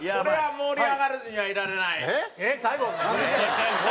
盛り上がらずにはいられない。